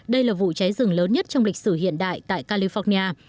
đây là vụ cháy rừng lớn nhất trong lịch sử hiện đại tại california